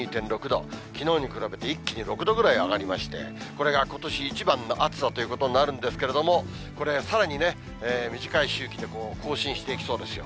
きのうに比べて一気に６度ぐらい上がりまして、これがことし一番の暑さということになるんですけれども、これ、さらに短い周期で更新していきそうですよ。